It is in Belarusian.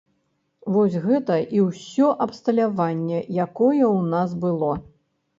Вось гэта і ўсё абсталяванне, якое ў нас было.